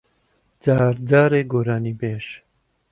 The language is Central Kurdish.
جار جارێ گۆرانیبێژ